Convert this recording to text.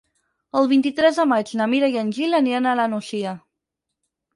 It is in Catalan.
El vint-i-tres de maig na Mira i en Gil aniran a la Nucia.